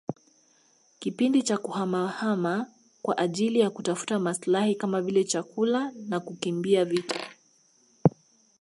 kipindi cha kuhamahama kwa ajili ya kutafuta maslahi kama vile chakula na kukimbia vita